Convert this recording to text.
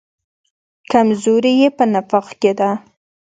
کمزوري یې په نفاق کې ده.